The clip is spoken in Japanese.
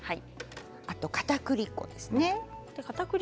あと、かたくり粉ですね。